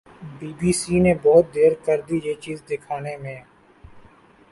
Be B C نے بہت دیر کردی یہ چیز دکھانے میں۔